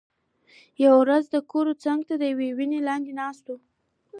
یوه ورځ د کور څنګ ته د یوې ونې لاندې ناست و،